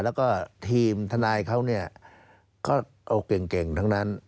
แล้วก็ทีมทนายเขาก็เอาเก่งทั้งนั้น